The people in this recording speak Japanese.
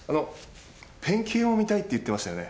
ペンキ画も見たいって言ってましたよね。